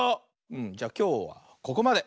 うんじゃきょうはここまで。